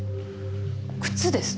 靴ですね。